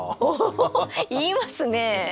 お言いますね。